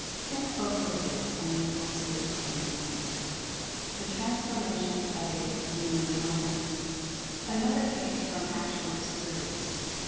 Think over it a bit and you will see it plainly. THE TRANSFORMATION OF A "HUMAN DOOR MAT." Another case, from actual experience.